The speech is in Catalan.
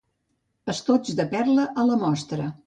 Estoig de perla a la Mostra.